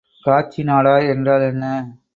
காட்சி நாடா என்றால் என்ன?